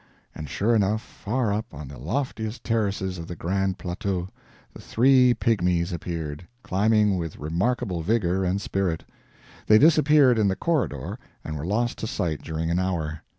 and sure enough, far up, on the loftiest terraces of the Grand Plateau, the three pygmies appeared, climbing with remarkable vigor and spirit. They disappeared in the "Corridor," and were lost to sight during an hour.